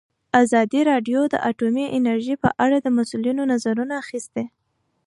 ازادي راډیو د اټومي انرژي په اړه د مسؤلینو نظرونه اخیستي.